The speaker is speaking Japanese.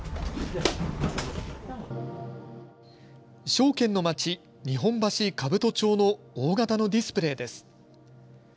証券の街、日本橋兜町の大型のディスプレーです。